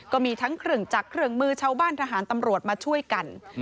ก็มีทั้งเครื่องจักรเครื่องมือชาวบ้านทหารตำรวจมาช่วยกัน